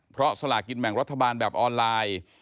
เพราะสลากินแบ่งรัฐบาลแบบออนไลน์